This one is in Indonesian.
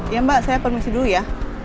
ya mbak saya permisi dulu ya